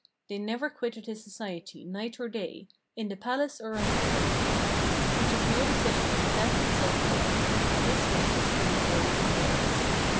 They never quitted his society night or day, in the palace or on a journey. He took no decision without consulting them, and his wishes coincided with theirs.